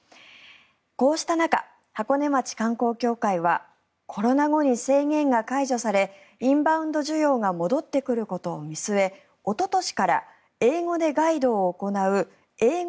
こうした中、箱根町観光協会はコロナ後に制限が解除されインバウンド需要が戻ってくることを見据えおととしから英語でガイドを行う英語